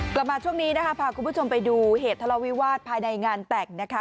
กลับมาช่วงนี้นะคะพาคุณผู้ชมไปดูเหตุทะเลาวิวาสภายในงานแต่งนะคะ